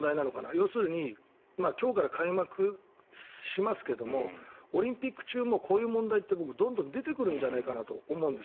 要するに今日から開幕しますけどオリンピック中もこういう問題ってどんどん出てくるんじゃないかと思うんです。